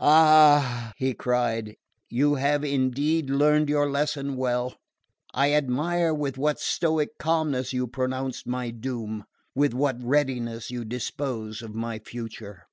"Ah," he cried, "you have indeed learned your lesson well! I admire with what stoic calmness you pronounce my doom, with what readiness you dispose of my future!"